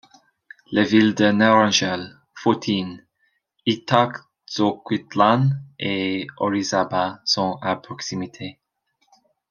Les villes de Naranjal, Fortín, Ixtaczoquitlán et Orizaba sont à proximité.